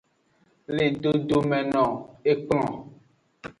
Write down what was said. Le dodome no kplon.